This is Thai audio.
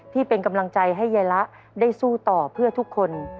ที่เป็นกำลังใจให้ยายละได้สู้ต่อเพื่อทุกคน